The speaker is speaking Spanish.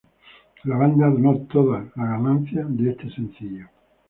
La banda donó todas las ganancias de este sencillo.